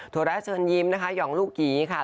แร้เชิญยิ้มนะคะห่องลูกหยีค่ะ